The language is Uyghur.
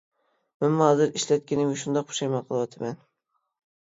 مەنمۇ ھازىر ئىشلەتكىنىمگە شۇنداق پۇشايمان قېلىۋاتىمەن.